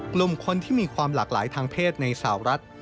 กลุ่มคนที่มีความหลากหลายทางเพศในสาวรัฐ